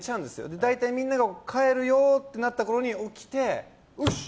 大体みんなが帰るよってなったころに起きてよし！